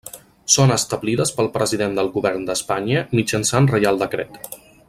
Són establides pel President del Govern d'Espanya mitjançant Reial Decret.